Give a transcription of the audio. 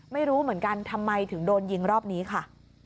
ไม่รู้เหมือนกันทำไมถึงโดนยิงรอบนี้ค่ะ